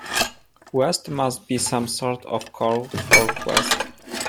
West' must be some sort of code for 'quest.